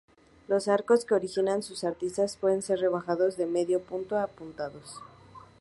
Los arcos que originan sus aristas pueden ser rebajados, de medio punto o apuntados.